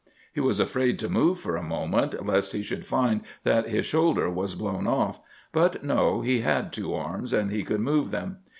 He was afraid to move for a moment, lest he should find that his shoulder was blown off. But no, he had two arms, and he could move them.